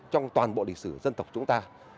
trong toàn bộ lịch sử dân tộc chúng ta